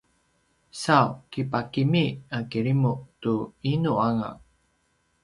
sau kipakimi a kirimu tu inu anga